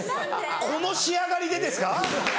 この仕上がりでですか？